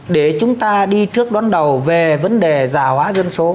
để chúng ta đi trước đón đầu về vấn đề giả hóa dân số